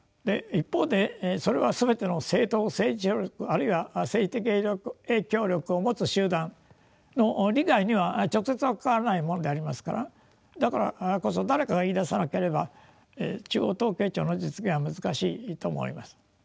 一方でそれは全ての政党政治勢力あるいは政治的影響力を持つ集団の利害には直接は関わらないものでありますからだからこそ誰かが言いださなければ中央統計庁の実現は難しいと思います。